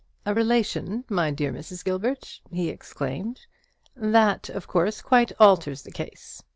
"A relation, my dear Mrs. Gilbert?" he exclaimed. "That, of course, quite alters the case.